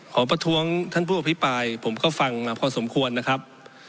ประท้วงท่านผู้อภิปรายผมก็ฟังมาพอสมควรนะครับ